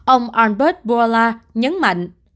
ông albert bourla nhấn mạnh